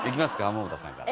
百田さんから。